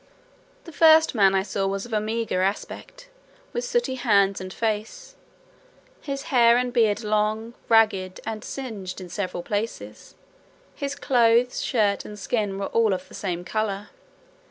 The first man I saw was of a meagre aspect, with sooty hands and face, his hair and beard long, ragged, and singed in several places. His clothes, shirt, and skin, were all of the same colour.